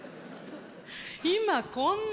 今、こんな！